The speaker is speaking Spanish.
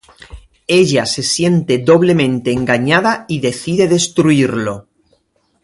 Ella se siente doblemente engañada y decide destruirlo.